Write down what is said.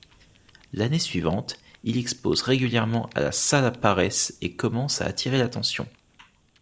L'année suivante, il expose régulièrement à la Sala Parés et commence à attirer l'attention.